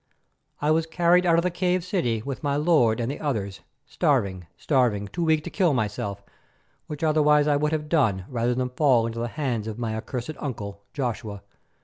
I was carried out of the cave city with my lord and the others, starving, starving, too weak to kill myself, which otherwise I would have done rather than fall into the hands of my accursed uncle, Joshua.